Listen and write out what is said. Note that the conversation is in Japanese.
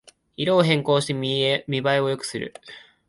色を変更して見ばえを良くする